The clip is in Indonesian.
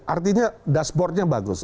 artinya dashboardnya bagus